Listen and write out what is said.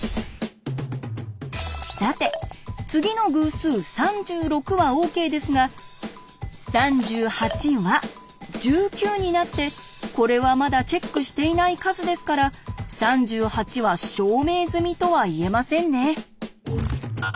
さて次の偶数３６はＯＫですが３８は１９になってこれはまだチェックしていない数ですから３８は証明済みとは言えませんね。